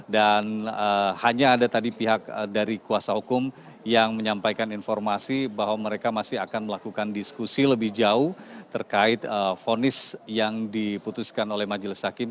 dan hanya ada tadi pihak dari kuasa hukum yang menyampaikan informasi bahwa mereka masih akan melakukan diskusi lebih jauh terkait fornis yang diputuskan oleh majelis hakim